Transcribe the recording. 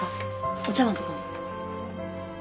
お茶わんとかも。